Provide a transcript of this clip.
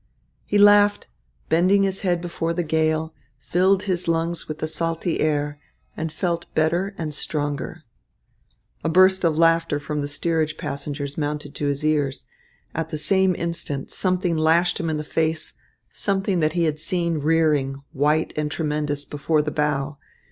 He laughed, bending his head before the gale, filled his lungs with the salty air, and felt better and stronger. A burst of laughter from the steerage passengers mounted to his ears. At the same instant something lashed him in the face, something that he had seen rearing, white and tremendous, before the bow.